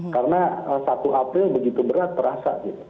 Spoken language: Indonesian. karena satu april begitu berat terasa gitu